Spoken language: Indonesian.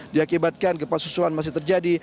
diakibatkan kepasusuan masih terjadi